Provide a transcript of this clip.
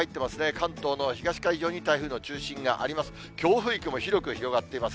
関東の東海上に台風の中心があります。